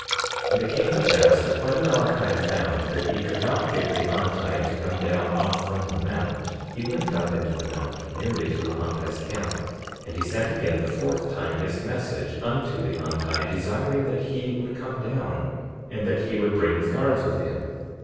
47:12 And it came to pass that when Amalickiah found that he could not get Lehonti to come down off from the mount, he went up into the mount, nearly to Lehonti's camp; and he sent again the fourth time his message unto Lehonti, desiring that he would come down, and that he would bring his guards with him.